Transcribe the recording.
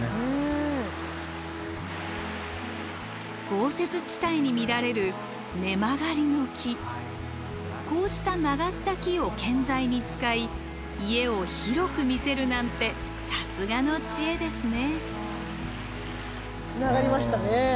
豪雪地帯に見られるこうした曲がった木を建材に使い家を広く見せるなんてさすがの知恵ですね。